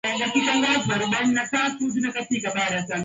kondoo na mbuzi Nguruwe hunya virusi zaidi kuliko ng'ombe kondoo au mbuzi